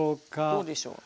どうでしょう？